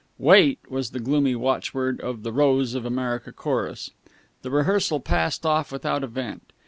"Wait!" was the gloomy watchword of "The Rose of America" chorus. The rehearsal passed off without event.